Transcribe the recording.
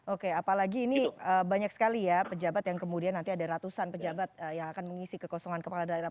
oke apalagi ini banyak sekali ya pejabat yang kemudian nanti ada ratusan pejabat yang akan mengisi kekosongan kepala daerah